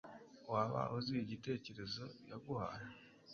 Waba uzi igitekerezo yaguhaye?